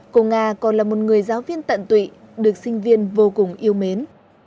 cô nga còn là một người giáo viên tận tụy được sinh viên vô cùng yêu mến